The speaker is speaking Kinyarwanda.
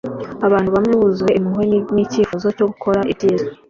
abantu bamwe buzuye impuhwe n'icyifuzo cyo gukora ibyiza